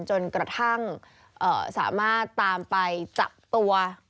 จนกระทั่งสามารถตามไปจับตัว